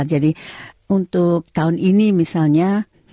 jadi untuk tahun ini misalnya